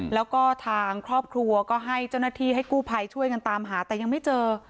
แล้วก็ทางครอบครัวก็ให้เจ้าหน้าที่ให้กู้ภัยช่วยกันตามหาแต่ยังไม่เจอ